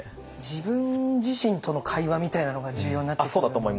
自分自身との会話みたいなのが重要になってくるんですかね？